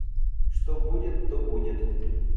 Что будет, то будет!